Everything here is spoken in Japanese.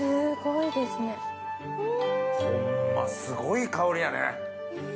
すごい香りやね。